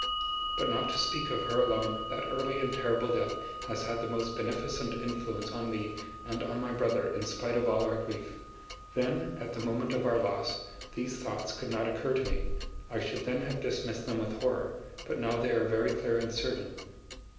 But not to speak of her alone, that early and terrible death has had the most beneficent influence on me and on my brother in spite of all our grief. Then, at the moment of our loss, these thoughts could not occur to me; I should then have dismissed them with horror, but now they are very clear and certain.